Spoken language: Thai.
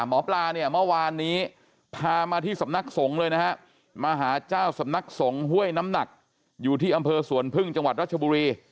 หมอปลาเนี่ยเมื่อวานนี้พามาที่สำนักสงฆ์เลยนะฮะมาหาเจ้าสำนักสงฆ์ห้วยน้ำหนักอยู่ที่อำเภอสวนพึ่งจังหวัดรัชบุรี